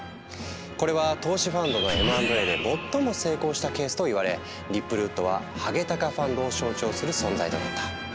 これは投資ファンドのＭ＆Ａで最も成功したケースといわれリップルウッドはハゲタカファンドを象徴する存在となった。